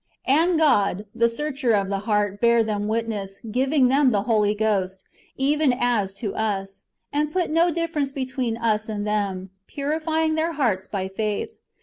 And God, the Searcher of the heart, bare them witness, giving them the Holy Ghost, even as to us ; and put no difference between us and them, purifying their hearts by faith.